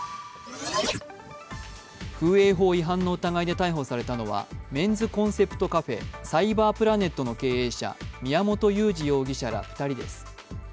風営法違反の疑いで逮捕されたのは、メンズコンセプトカフェ、電脳プラネットの経営者宮本優二容疑者ら２人です。